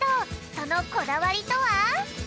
そのこだわりとは？